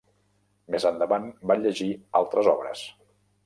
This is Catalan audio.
Més endavant va llegir altres obres.